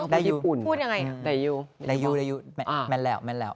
ไลยูไลยูไลยูแมนแล้วแมนแล้ว